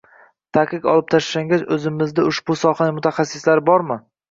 Taqiq olib tashlangach oʻzimizda ushbu sohaning mutaxassislari bormi?